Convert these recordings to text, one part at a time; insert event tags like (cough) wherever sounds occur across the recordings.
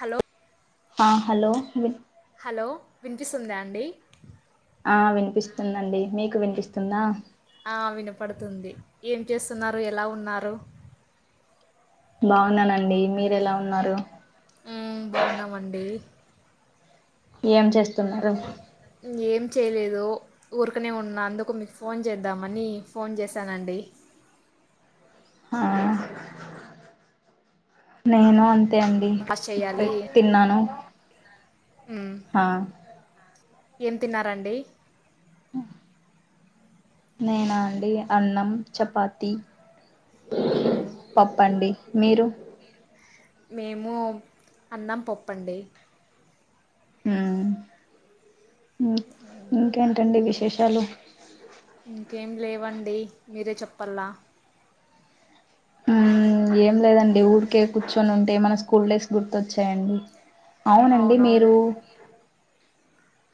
Hello ఆ hello hello వినిపిస్తుందా అండి ఆ విన్పిస్తుందండి మీకు వినిపిస్తుందా ఆ వినపడుతుంది ఏం చేస్తున్నారు ఎలా ఉన్నారు బావున్నానండి మీరేలా ఉన్నారు ఉమ్ బాగున్నామండి ఏం చేస్తున్నారు ఏం చేయలేదు ఊర్కనే ఉన్నా అందుకు మీకు ఫోన్ చేద్దామని ఫోన్ చేశానండి ఆ నేను అం తే అండి పాస్ ఇప్పుడే చేయాలి తిన్నాను. మ్మ్ హా ఏం తిన్నారండి నేనా అండి అన్నం, చపాతి, మ్మ్ పప్పండి. మీరు మేము అన్నం, పప్పండి. మ్ ఉ ఇంకేంటండి విశేషాలు? ఇంకేం లేవండి మీరే చెప్పల్ల మ్ ఏం లేదండి ఊరికే కూర్చొని ఉంటే మన స్కూల్ డేస్ గుర్తొచ్చాయండి. అవునండి అవునవును మీరు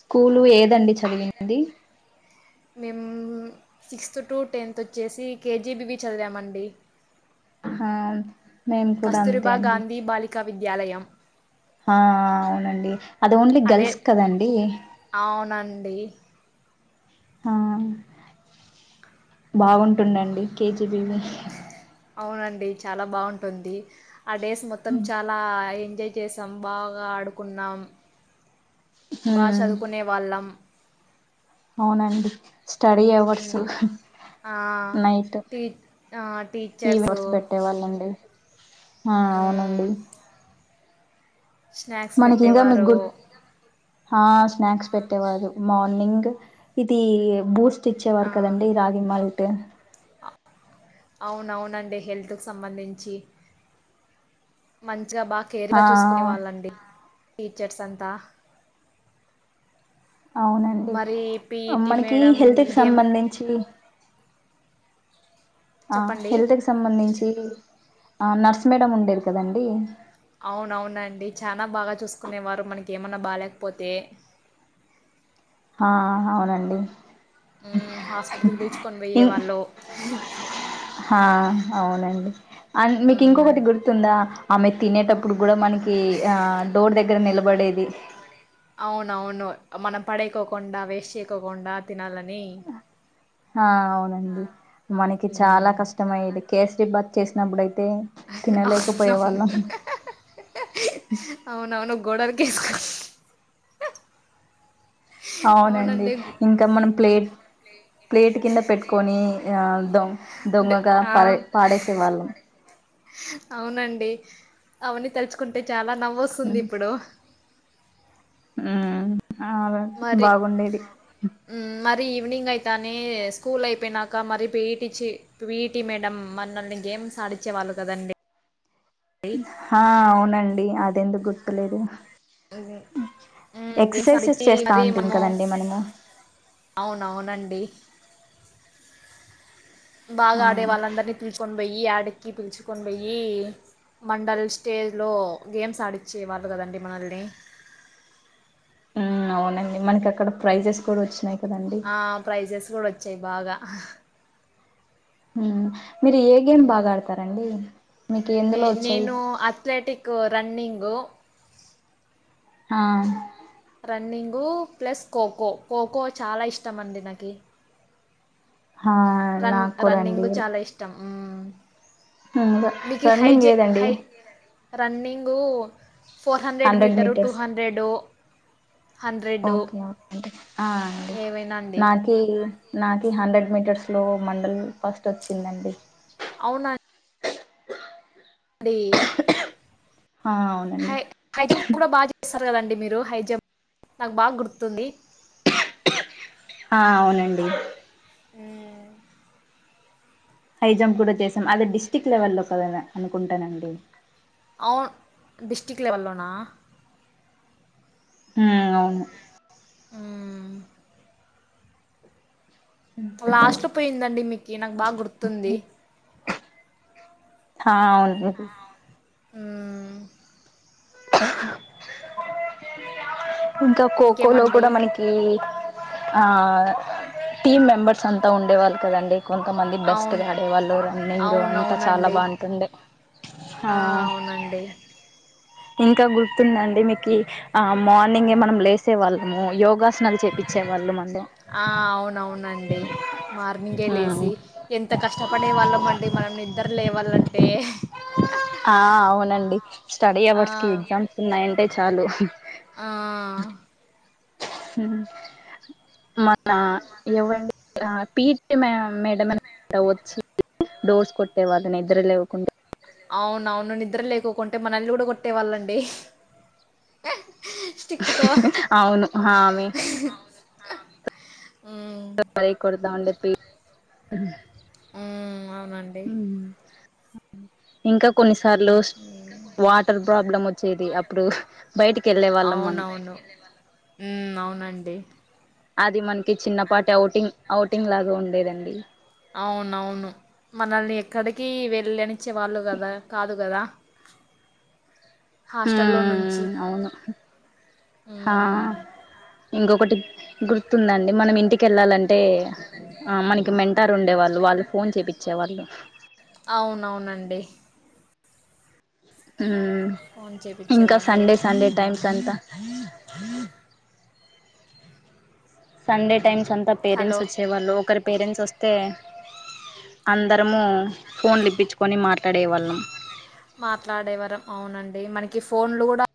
స్కూల్ ఏ దండి చదివింది. మేము సిక్స్త్ టు, టెన్త్ వొ చ్చేసి కేజీబివి చదివామండి. హమ్ మేము కూడా అంతే కస్తూరిబా అండి. గాంధీ బాలికా విద్యాలయం ఆ అవునండి అది ఓన్లీ ఆ డే గర్ల్స్క్ కదండి? అవునండి ఆ బావుంటుందండి కేజీబీవి అవునండి చాలా బావుంటుంది ఆ డేస్ మొత్తం చాలా ఏ జాయ్ చేసాం బాగా ఆడుకున్నాం, బా హ్మ్ చదువుకునే వాళ్ళం. అవునండి స్టడీ అవర్సు ఉమ్. ఆ, నైట్ టీ ఈ టీచర్సు వర్స్ పెట్టేవాళ్ళండి. హ అవునండి. స్నాక్స్ పెట్టేవారు. హ స్నాక్స్ పెట్టేవారు మార్నింగ్ ఇది బూస్ టిచ్చేవర్ ఆ, కదా అండి రాగి మాల్ట్. అవునఅవునండి హెల్త్కి సంబంధించి మంచిగా బాగ్ ఆ కేర్గా చూసుకునే వాళ్ళండి. జట్స్ అంత అవునండి మనకి మేడం హెల్త్ కి గేమ్ సంబంధించి ఆ చెప్పండి హెల్త్ కి సంబంధించి ఆ నర్స్ మేడం ఉండేది కదండి. అవునవునండి చాన బాగా చూసుకునేవారు మనకి ఏమన్నా బాలేకపోతే హ హవునండి మ్ హాస్పిటల్కి పిలుచుకొని పోయే వాళ్ళు హా అవునండి అన్ మీకి మ్మ్ ఇంకొకటి గుర్తుందా ఆమె తినేటప్పుడు గుడా మనకి ఆ డోర్ దగ్గర నిలబడేది. అవునవును మనం పడేకోకుండా, వేస్ట్ చేయకోకుండా తినాలని హ అవునండి మనకి చాలా మ్మ్ కష్టం అయ్యేది కేసరీబాత్ చేసినప్పుడుయి అవునవును అవునవును గోడల్ గిస్ గిస్ అవునండి ఇంకా మనం ప్లేట్ ప్లేట్ కింద పెట్టుకొని ఆ దం డే దొంగగా ఆ పారె పాడేసే వాళ్ళం అవునండి అవన్నీ తలుచుకుంటే చాలా నవ్వు వొస్తుంది ఇప్పుడు. మ్ ఆ అలాగే మరి బాగుండేది. వినింగ్ అయితనే స్కూల్ అయిపోయినాక, మరి పి ఈటి చి పిటీ మేడం మనల్ని గేమ్స్ నడిచేవాళ్ళు గదండి. హ అవునండి అది ఎందుకు గుర్తులేదు ఉమ్ గేమ్స్ ఎక్సర్సైజెస్ ఆడిచ్చి చేస్తా మరి ఉంటిమి మనము. కదండి మనము అవునవునండి. ఆ బాగా ఆడే వాళ్ళందరినీ తీసుకొని పోయి ఆడి. కి పిలుచుకొని పోయి మండల్ స్టేజ్ లో గేమ్స్ ఆడిచ్చే వాళ్ళు గదా అండి మనల్ని. ఉమ్ ఉమ్ అవునండి మనకి అక్కడ ప్రైజెస్ కూడా వచ్చినాయి. కదండి ఆ ప్రైజెస్ కూడా వచ్చాయి బాగా ఉమ్ మీరు ఏ గేమ్ బాగా ఆడతారండి మీకు నే ఎందులో వచ్చాయి. నేను అథ్లెటిక్ రన్నింగు. ఆహ్. రన్నింగు ప్లస్ ఖోఖో ఖోఖో చాలా ఇష్టమండి నాకి. ఆహ్ రన్ నాకు కూడా అండి. ఉమ్ ర నీకి హై రన్నింగ్ హైజే ఏదండి high running. Four hundred metre two hundred. Hundred okay okay అవునండి ఆహ్ అండి ఏవైనా అండి నాకీ. నాకి హండ్రెడ్ మీటర్స్ లో మండల్ ఫస్ట్ వచ్చిందండి అవునా. ధే. ఆ అవునండి హై హై జంప్ కూడా బాగా చేస్తారు కదండి మీరు హైజ. నాకు బాగా గుర్తుంది. ఆహ్ అవునండి. మ్మ్. హై జంప్ కూడా చేసాం అది డిస్ట్రిక్ట్ లెవెలో కద అనుకుంటానండి. అవున్ డిస్ట్రిక్ట్ లెవెల్లోనా. ఉమ్ అవును. మ్మ్. లాస్ట్ లో పోయిందండి మీకీ నాకు బాగా గుర్తుంది. ఆహ్ అవును. ఉహ్మ్. ఇంకా ఖోఖో లో ఇంకేమండి కూడా మనకి. ఆహ్ టీమ్ మెంబర్స్ అంతా ఉండేవాళ్ళు కదండి. కొంతమంది బెస్ట్ అవును గా ఆడేవాళ్ళు రన్నింగు అంతా చాలా బాగుంటుండే. ఆ ఆహ్ అవునండి. ఇంకా గుర్తుందండి మీకీ ఆ మార్నింగ్య్ మనం లేసే వాళ్ళము యోగా. చూపించే వాళ్ళు మనకు. ఆహ్ అవునవునండి మార్నింగే హ్మ్ లేసి ఎంత కష్టపడే వాళ్ళమండి. మనం నిద్ర లేవాలంటే. ఆహ్ అవునండి స్టడీ ఆ అవర్స్ కి ఎగ్జామ్స్ ఉన్నాయంటే చాలు. ఆహ్. ఉమ్. మన ఎవరండి పీటి మేడం అని వచ్చి. డోర్స్ కొట్టే వాళ్ళు నిద్ర లేవకుంటే. అవును అవును నిద్ర లేకుకుంటే మనల్ని కూడా కొట్టేవాళ్ళండి. స్టిక్కుతో అవును ఆమె. మ్మ్ అబ్బాయి కొడుతా ఉండే పిటి. ఉమ్ అవునండి. ఇంకా కొన్ని సా. సార్లు వాటర్ ప్రాబ్లం వచ్చేది అప్పుడు బయటికి వెళ్ళేవాళ్ళం మనం. ఉమ్ అవునండి. అది మనకి చిన్నపాటి అఔటింగ్ అఔటింగ్ లాగా ఉండేదండి. ఔనవ్ ను మనల్ని ఎక్కడికి వెళ్ళనిచ్చేవాళ్ళు కదా కాదు కదా హాస్టల్ లో నుంచి హ్మ్ అవును ఆ హ్మ్ ఉమ్ ఇంకొకటి గుర్తుందండి మనం ఇంటికేళ్ళాలంటే ఏ ఆ మనకి మెంటారు ఉండేవాళ్ళు వాళ్ళు ఫోన్ చేపించేవాళ్లు అవునవునండి. ఉమ్. ఫోన్ చేపించేవాళ్ళు ఉమ్. టైమ్స్ అంతా సండే టైమ్స్ అంతా హలో పేరెంట్స్ వచ్చేవాళ్ళు ఒక్కరి పేరెంట్స్ వస్తే. అందరము ఫోన్ లీప్పిచ్ కొని మాట్లాడే వాళ్ళం మాట్లాడే వరం ఔనండి మనకి ఫోన్ లు గుడా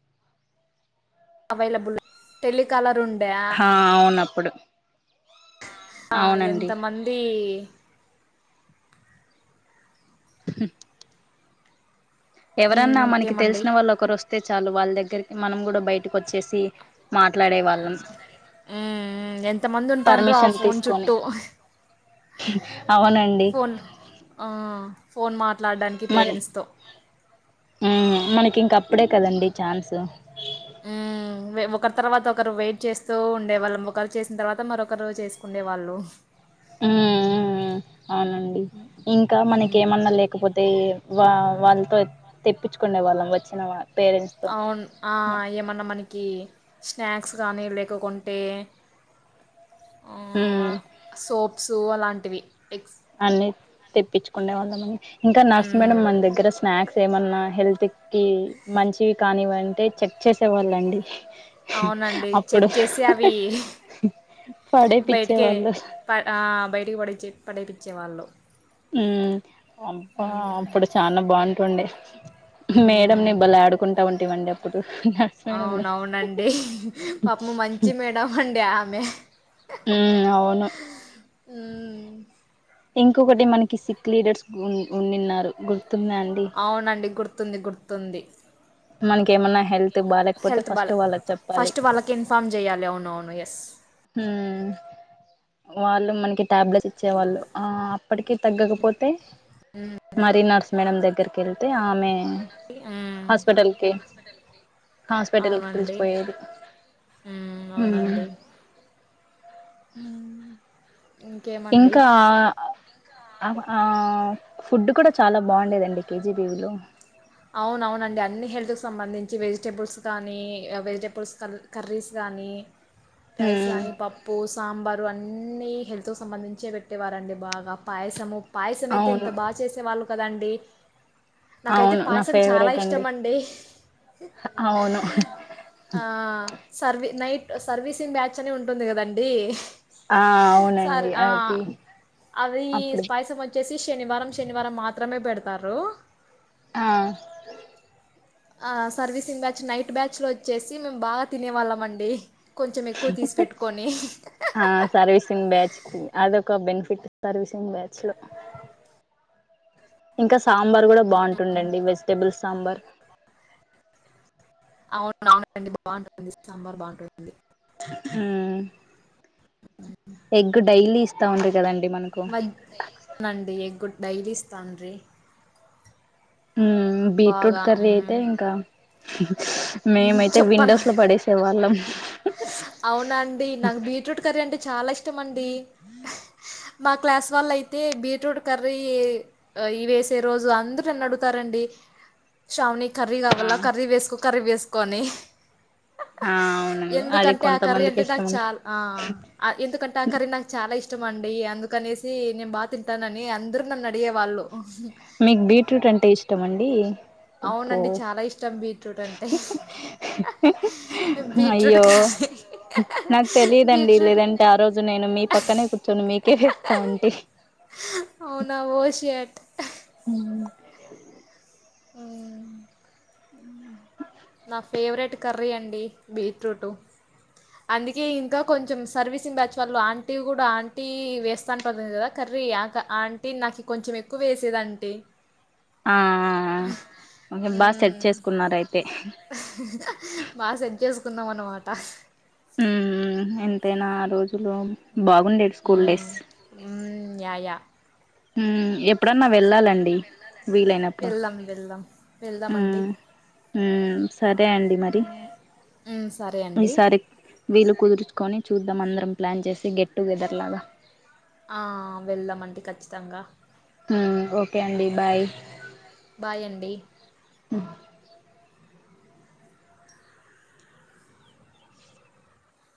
అవైలాబ్ నే టెలీ కాలరు ఉం హా ఔన్ నప్పుడు ఆ ఎంత మందీ ఈ ఉహ్ ఎవరన్నా మనకి తెల్ ఇంకేమండి సిన్ వాళ్ళు ఒకరోస్తే చాలు వాల్ దగ్గరికి మనం గుడా బయ్ టి కోచ్చేసి మాట్ లాడేవ హ్మ్ హ్మ్ ఎంత మంది ఉంతాడ్రో ఆ పర్మిషన్ ఫోన్ తీసుకొని చుట్టూ అహ్ అవునండి ఫోన్ ఆ ఫోన్ మాత్ ట్లాడానికి మన పేరెంట్స్ స్తో కింక్ అప్పుడే కదండి ఛాన్సు ఉమ్ ఉ వే ఒకర్ తర్ వత ఒకరు వెయిట్ చేస్తూ ఉండేవాళ్ళం ఓకల్ చేసిన్ తర్ వత మరొకరు చేస్ కుండే వాళ్ళు ఉమ్మ్ మ్మ్ ఔనండి ఇంకా మనకి మ్మ్. ఏమన్నా లేకపోతే ఈ వావ్ వాళ్ తో తెప్పిచ్ కుండే వాళ్ళం ఓచ్చిన వాళ్ ఔన్ ఆ ఏమన్నా మనీకీ ష్ణక్స్ గానీ లేకకుంటే ఉమ్ హ్మ్మ్ సోప్ సూవాలాంటివి అన్ని తెప్పిచ్ కుండే వాళ్ళమని ఇంకా నర్స్ మేడం హ్మ్. మన్ దెగ్గర స్నాక్ సే మన్నా హెల్ త్ కి మంచివి కానివంటే చెక్ చేసేవాళ్ళండి ఔనండి అప్పుడు చెక్ చేసే అవి బయ్ టికే పడేపిచ్చేవాళ్ళు పడ్ ఆ బయ్ టిక్ పడే చే ద్ పడేపిచేవాళ్ళు ఉమ్ అబ్బా అప్పుడు చానా బాఉంటుండే ఉహ్ మేడం హ్మ్. ని బలే ఆడుకుంటా ఉంటివండి అప్పుడు నర్సు మేడమ్ నీ అమ్మో మంచి మేడం అండి ఆమె ఉమ్ ఔను హ్మ్మ్ ఇంకొకటి మనకి సిక్ లీడర్స్ గున్ ఉన్నింన్నారు గుర్ ఔనండి గుర్తుంది గుర్తుంది కే మన్నా హెల్ తు బాలేక్ పోతే హెల్త్ ఫస్ట్ బాలే వాళ్ళక్ చప్పాలి ఫస్ట్ వాళ్ళకి ఇన్ఫార్మ్ చేయాలి. అవునవును. యెస్. హుమ్ వాళ్ళు మనకి టాబ్ బ్లెట్స్ ఇచ్చేవాళ్ళు ఆ ప్పటికి తగ్గకపోతే మరీ నర్స్ మేడం దగ్గర్ కేల్ ళ్తే ఆమె ఉమ్ హాస్ పేటల్ కి పిల్ చ్ కుపోయేది హ్మ్ ఉమ్ మ్ అవునండి ఉహుమ్ ఇంకేమండి ఇంకా అ ఆ అమ ఆ ఆ ఫుడ్ కూడా చాలా బాఉండేదండి కేజీబీవీ లో ఔన్ ఔనండి అన్ని హెల్త్ కి సంబంధించి వెజిటేబుల్స్ గానీ వెజిటే పుల్స్ కన్ కర్రీస్ గా ఆనీ రైస్ ఉమ్ గాని పప్పు సాంబార్ దు అన్నీ హెల్త్ సంబంధించే వెట్టేవారండి బాగా పాయిస ము పాయిసమేతే ఎంత అవును బా చేసేవాళ్ళు కదండి నాకైతే అవును నా పాయసం చాలా ఫేవరెట్ అండి ఇష్టమండి అవును ఆ సర్ వి నైట్ సర్వీసింగ్ బ్యాచ్ అని ఉంటుంది కదండీ ఆ స అవునండి ఆ అది అవీ అప్పుడు పాయిసం వచ్చేసి శనివారం శనివారం మాత్రమే పెడత్తారూ ఆ ఆ సర్వీసింగ్ బ్యాచ్ నైట్ బ్యాచ్ లోచ్చేసి మేమ్ బాగ తినే వాళ్ళమండి హు్ ఆ సర్ విసింగ్ బ్యాచ్ అదొక బెన్ ఫిట్ తర్ విసింగ్ బ్యాచ్ లక్ ఇంకస్ సాంబర్ కూడ బాగుంటుందండి వెజిటబుల్స్ సాంబర్ అవును అవునండి బాగుంటుంది సాంబర్ బాగుంటుంది ఉ ఎగ్ డైలీ ఇస్తమ్ కదం మగ్ అండి ఎగ్ డైలీ ఇస్తాన్రి ఉ బిట్రూట్ కర్రీ మ్మ్. అయితే ఇంక మేమైతే విండోస్లొ పడేసే వాళ్ళం అవున అండి నాకు బిట్రూట్ కర్రీ అంటే చాలా ఇష్టం అండి మా క్లాస్ వాళ్ళు అయితే బిట్రూట్ కర్రీ ఇ వేసే రోజు అందర్రు అడుగుతారండి శ్రావణి కర్రీ ఆ కావాల కర్రీ వేసుకో కర్రీ వేసుకొ అని ఆ అవునండి అది ఎందుకంటే ఆ కర్రీ కొంతమందికి అంటే ఇష్టం నాక్ అండి. చాల్ ఆ ఎందుకంటే ఆ కర్రీ నాక్ చాలా ఇష్ ష్టం అండి అందుకనేసి నేన్ బా తింటానని అందర్రు నన్ను అడిగే వాళ్ళు మీకు బిట్రూట్ అంటే ఇష్టం అండి అబ్బో బిట్రూట్ కర్రి నాక్ తెలిదండి లేదంటే ఆ రోజు నేను మీ పక్కనే కూర్చొని మీకే వేస్తాఉంటి అవున ఓ షట్ ఉ ఉ నా ఫేవరెట్ కర్రీ అండి బిట్రూటు అందుకే ఇంకా కొంచెం సర్వీసింగ్ బ్యాచ్ వాళ్ళు ఆంటీ కూడ ఆంటీ వేస్త అంటది కద కర్ ర్రి ఆక్ ఆంటీ నాకి కొంచెం ఎక్కువ వేసేదంటి ఆ ఇంకేం బా సెట్ చేసుకున్నర్ అయితే బా సెట్ చేసుకున్నం అనమాట ఎంతైన ఆ రొజులు బాగుండేది స్కూల్ డేస్ య య హు ఎప్పుడన్ డైన వెళ్ళాలండి వీలైనప్పుడు వెళ్దాం వెళ్దాం వెళ్దామండి ఉ సరే అండి మరి మ్మ్, సరే అండి ఈసారి వీలు కుదుర్చుకొని చుద్ధం అందరం ప్లాన్ చేసి గెట్ టు గెదర్ లాగ ఆ వెళ్దమండి ఖచ్చితంగ మ్ ఓకే అండి బాయ్ బాయ్ అండి (inaudible)